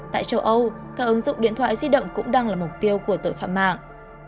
tại châu âu các ứng dụng điện thoại di động cũng đang là mục tiêu của tội phạm mạng